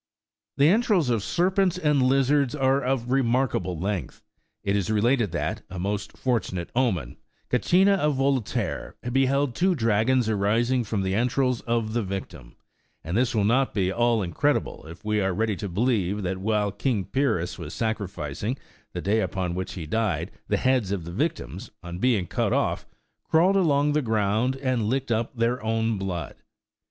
The entrails of serpents and lizards are of remarkable length. It is related that — a most fortunate omen — Csecina of Yolaterrse beheld two dragons arising from the entrails of the victim ; and this will not be at all incredible, if we are ready to believe that while King Pyrrhus was sacrificing, the day upon which he died, the heads of the victims, on being cut off, crawled along the ground and licked up their own blood.